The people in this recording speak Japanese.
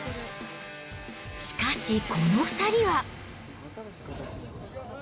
しかし、この２人は。